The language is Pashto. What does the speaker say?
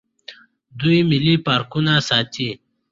دوی ملي پارکونه ساتي.